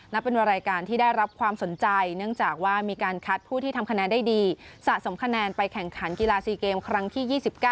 เป็นรายการที่ได้รับความสนใจเนื่องจากว่ามีการคัดผู้ที่ทำคะแนนได้ดีสะสมคะแนนไปแข่งขันกีฬา๔เกมครั้งที่๒๙